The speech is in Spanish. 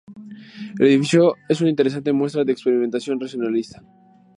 El edificio es una interesante muestra de experimentación racionalista.